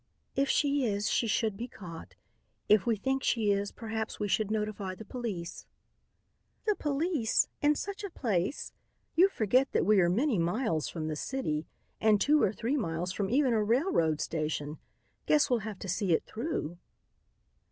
"If she is, she should be caught. If we think she is, perhaps we should notify the police." "The police? In such a place? You forget that we are many miles from the city and two or three miles from even a railroad station. Guess we'll have to see it through."